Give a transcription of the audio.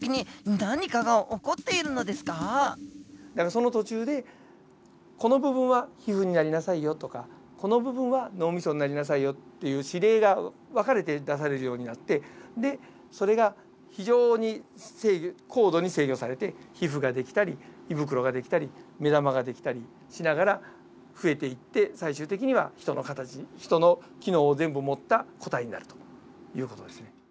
その途中でこの部分は皮膚になりなさいよとかこの部分は脳みそになりなさいよっていう指令が分かれて出されるようになってそれが非常に高度に制御されて皮膚ができたり胃袋ができたり目玉ができたりしながら増えていって最終的にはヒトの形ヒトの機能を全部持った個体になるという事ですね。